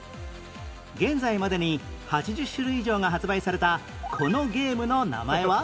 現在までに８０種類以上が発売されたこのゲームの名前は？